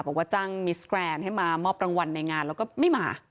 บอกว่าจ้างมิสแกรนด์ให้มามอบรางวัลในงานแล้วก็ไม่มา